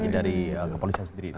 dari kepolisian sendiri